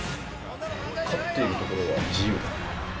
勝っているところは自由度。